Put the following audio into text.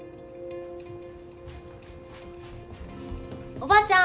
おばあちゃん